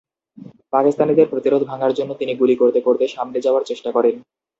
পাকিস্তানিদের প্রতিরোধ ভাঙার জন্য তিনি গুলি করতে করতে সামনে যাওয়ার চেষ্টা করেন।